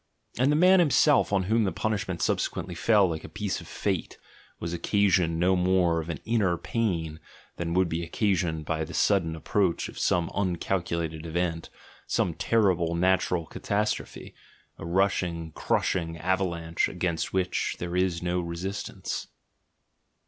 And the man himself, on whom the punishment subse quently fell like a piece of fate, was occasioned no more of an "inner pain" than would be occasioned by the sud den approach of some uncalculated event, some terrible natural catastrophe, a rushing, crushing avalanche against which there is no resistance.